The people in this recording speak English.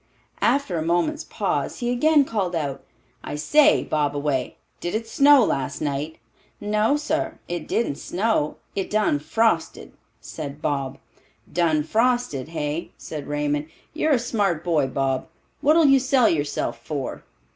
After a moment's pause, he again called out, "I say, Bobaway, did it snow last night?" "No, sar, it didn't snow; it done frosted," said Bob. "Done frosted, hey?" said Raymond. "You're a smart boy, Bob. What'll you sell yourself for?"